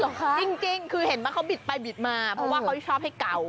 จริงคือเห็นว่าเขาบิดไปบิดมาเพราะว่าเขาชอบให้เก่า